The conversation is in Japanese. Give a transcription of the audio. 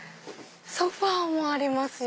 ソファもありますよ